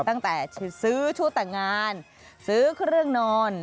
ตั้งแต่ซื้อชุดแต่งงานซื้อเครื่องนอน